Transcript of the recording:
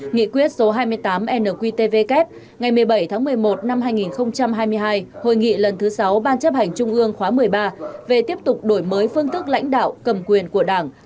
nghị quyết số hai mươi tám nqtvk ngày một mươi bảy tháng một mươi một năm hai nghìn hai mươi hai hội nghị lần thứ sáu ban chấp hành trung ương khóa một mươi ba về tiếp tục đổi mới phương thức lãnh đạo cầm quyền của đảng